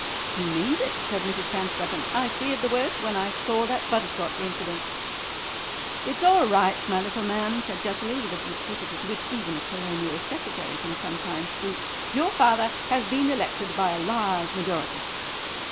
"He means it," said Mrs. Panstreppon; "I feared the worst when I saw that butterscotch incident." "It's all right, my little man," said Jutterly, with the duplicity to which even a Colonial Secretary can sometimes stoop, "your father has been elected by a large majority."